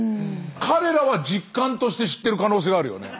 彼らは実感として知ってる可能性はあるよね。